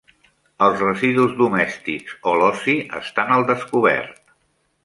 Els residus domèstics o l'oci estan al descobert.